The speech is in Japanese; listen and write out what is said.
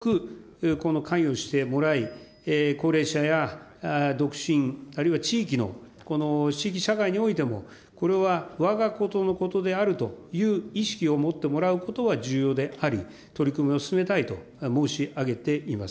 ただ、今まで関与が薄いとされていた男性や企業など、幅広く関与してもらい、高齢者や独身、あるいは地域の、地域社会においても、これはわが事のことであるということを意識を持ってもらうことは重要であり、取り組みを進めたいと申し上げています。